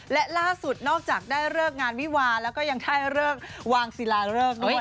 และล่าสุดนอกจากได้เลิกงานวิวาแล้วก็ยังได้เลิกวางศิลาเริกด้วย